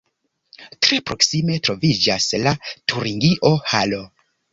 Tre proksime troviĝas la Turingio-halo.